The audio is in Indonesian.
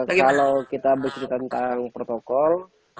kalau kita bercerita tentang protokol